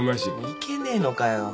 いけねえのかよ。